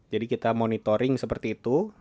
kita monitoring seperti itu